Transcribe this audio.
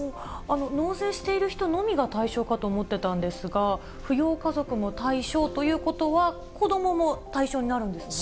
納税している人のみが対象かと思ってたんですが、扶養家族も対象ということは、子どもも対象になるんですよね。